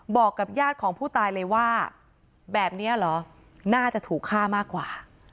บอกกับญาติของผู้ตายเลยว่าแบบนี้เหรอน่าจะถูกฆ่ามากกว่า